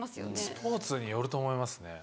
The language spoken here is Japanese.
スポーツによると思いますね。